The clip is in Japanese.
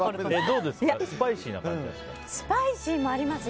スパイシーな感じですか？